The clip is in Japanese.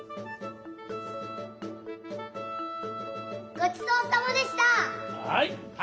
ごちそうさまでした。